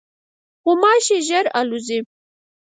غوماشې ژر الوزي.